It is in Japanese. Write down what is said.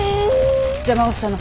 邪魔をしたの。